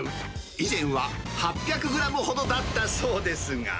以前は８００グラムほどだったそうですが。